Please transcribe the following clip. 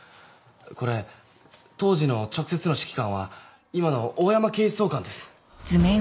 これ当時の直接の指揮官は今の大山警視総監です。